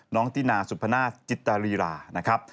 น้องตินาสุภาณาจิตรีรานะครับ